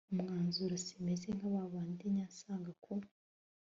umwanzuro simeze nk abandi njya nsanga ku